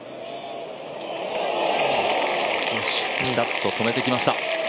ぴたっと止めてきました。